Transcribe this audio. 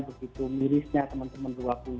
begitu mirisnya teman teman